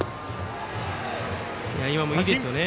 今のもいいですよね。